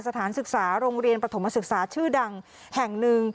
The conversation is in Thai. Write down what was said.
สถานศึกษาโรงเรียนปฐมศึกษาชื่อดังแห่งหนึ่ง